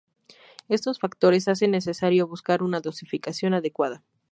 Estos factores hacen necesario buscar una dosificación adecuada.